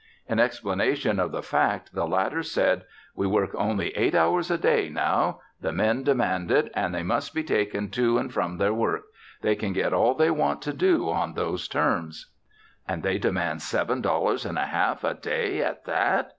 In explanation of the fact the latter said: "We work only eight hours a day now. The men demand it and they must be taken to and from their work. They can get all they want to do on those terms." "And they demand seven dollars and a half a day at that?